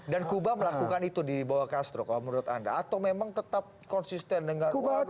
dan kuba melakukan itu di bawah castro kalau menurut anda atau memang tetap konsisten dengan warung